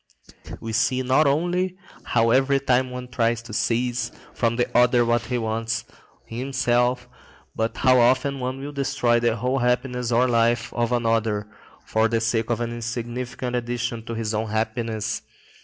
We see not only how every one tries to seize from the other what he wants himself, but how often one will destroy the whole happiness or life of another for the sake of an insignificant addition to his own happiness.